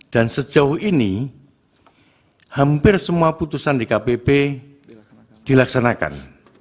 dan sejauh ini hampir semua putusan dkpp dilaksanakan